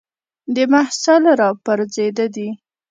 د محصل را پرځېده دي